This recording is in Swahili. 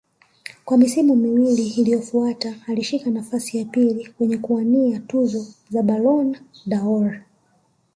Kwa misimu miwili iliyofuata alishika nafasi ya pili kwenye kuwania tuzo za Ballon dâOr